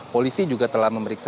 polisi juga telah memeriksa